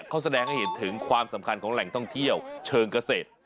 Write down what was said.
เขาแสดงให้เห็นถึงความสำคัญของแหล่งท่องเที่ยวเชิงเกษตร